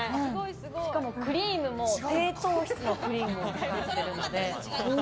しかもクリームも低糖質のクリームを使っているので。